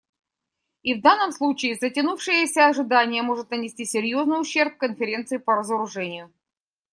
И в данном случае затянувшееся ожидание может нанести серьезный ущерб Конференции по разоружению.